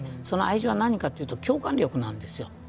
その愛情は何かというと共感力なんですよ